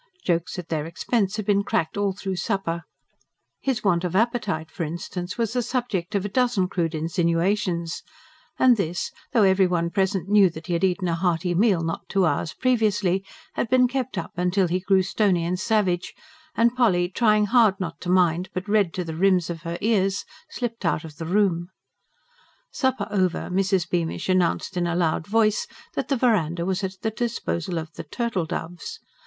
Jokes at their expense had been cracked all through supper: his want of appetite, for instance, was the subject of a dozen crude insinuations; and this, though everyone present knew that he had eaten a hearty meal not two hours previously; had been kept up till he grew stony and savage, and Polly, trying hard not to mind but red to the rims of her ears, slipped out of the room. Supper over, Mrs. Bearnish announced in a loud voice that the verandah was at the disposal of the "turtle doves."